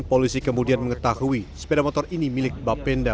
polisi kemudian mengetahui sepeda motor ini milik bapenda